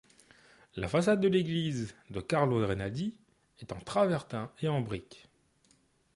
La façade de l'église, de Carlo Rainaldi, est en travertin et en briques.